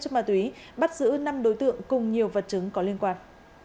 chất ma túy bắt giữ năm đối tượng cùng nhiều vật chứng có liên quan